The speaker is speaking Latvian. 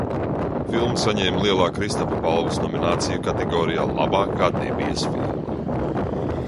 "Filma saņēma Lielā Kristapa balvas nomināciju kategorijā "Labākā debijas filma"."